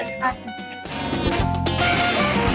ครับ